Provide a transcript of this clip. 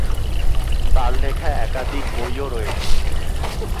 তার লেখা একাধিক বইও রয়েছে।